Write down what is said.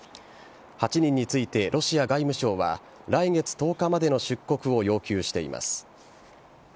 ８人についてロシア外務省は来月１０日までの出国を要求しています。